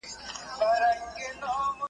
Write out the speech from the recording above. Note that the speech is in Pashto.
خو اوس هغه د شاهانه ژوند وس لري.